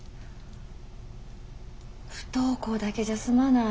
不登校だけじゃ済まない。